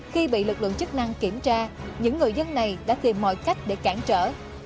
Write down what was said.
khi bị lực lượng chức năng kiểm tra những người dân này đã tìm mọi cách để cản trở